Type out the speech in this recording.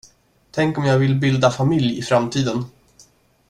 Tänk om jag vill bilda familj i framtiden.